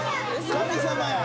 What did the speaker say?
神様や！